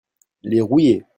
les rouillés.